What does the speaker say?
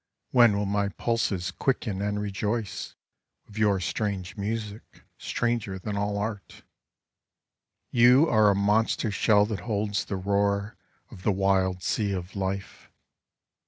When will my pulses quicken and rejoice With your strange music, stranger than all art ? You are a monster shell that holds the roar Of the wild sea of life.